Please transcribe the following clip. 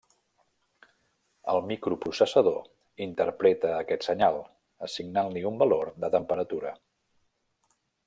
El microprocessador interpreta aquest senyal assignant-li un valor de temperatura.